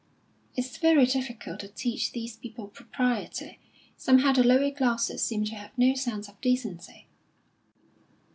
"It's very difficult to teach these people propriety. Somehow the lower classes seem to have no sense of decency."